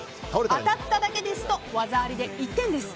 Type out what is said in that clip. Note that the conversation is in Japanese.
当たっただけですと技ありで１点です。